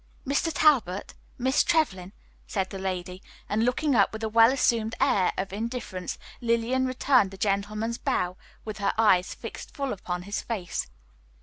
"Mr. Talbot, Miss Trevlyn," said the lady. And looking up with a well assumed air of indifference, Lillian returned the gentleman's bow with her eyes fixed full upon his face.